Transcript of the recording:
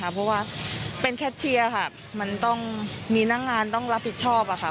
เพราะว่าเป็นแคทเชียร์ค่ะมันต้องมีหน้างานต้องรับผิดชอบ